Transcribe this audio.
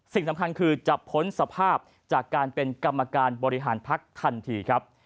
สิ่งสำคัญคือจะพ้นสภาพจากการเป็นกรรมการบริหารพักทันทีครับ